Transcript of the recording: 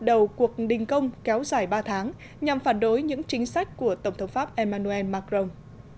cuộc đình công kéo dài ba tháng nhằm phản đối những chính sách của tổng thống pháp emmanuel macron